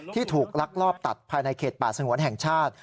ถูกลักลอบตัดภายในเขตป่าสงวนแห่งชาติ